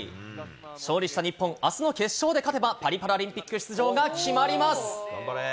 勝利した日本、あすの決勝で勝てば、パリパラリンピック出場が決まります。